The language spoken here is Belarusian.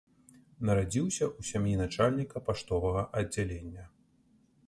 Нарадзіўся ў сям'і начальніка паштовага аддзялення.